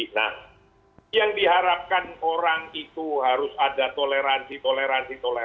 nah yang diharapkan orang itu harus ada toleransi toleransi toleransi